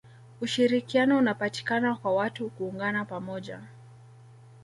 ushirikiano unapatikana kwa watu kuungana pamoja